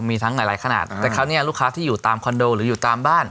มีทั้งหลายหลายขนาดแต่คราวนี้ลูกค้าที่อยู่ตามคอนโดหรืออยู่ตามบ้าน